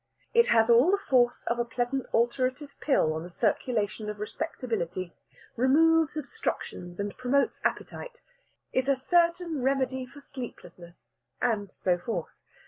It has all the force of a pleasant alterative pill on the circulation of Respectability removes obstructions and promotes appetite is a certain remedy for sleeplessness, and so forth.